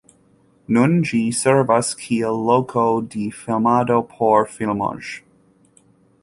Nun ĝi servas kiel loko de filmado por filmoj.